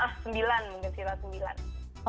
sembilan mungkin sih